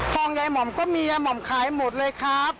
ทองใหญ่หม่อมก็มีหม่อมขายหมดเลยครับ